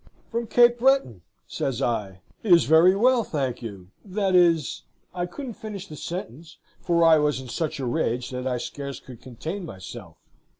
"'From Cape Breton,' says I. 'He is very well, thank you; that is ' I couldn't finish the sentence, for I was in such a rage that I scarce could contain myself.